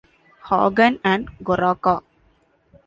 Hagen and Goroka.